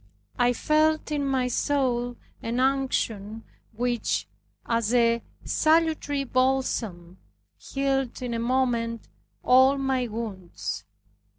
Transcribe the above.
I felt in my soul an unction which, as a salutary balsam, healed in a moment all my wounds.